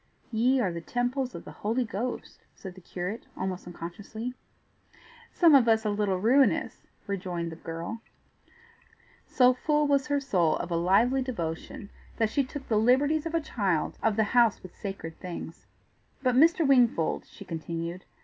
"Ye are the temples of the Holy Ghost," said the curate, almost unconsciously. "Some of us a little ruinous!" rejoined the girl. So full was her soul of a lively devotion that she took the liberties of a child of the house with sacred things. "But, Mr. Wingfold," she continued.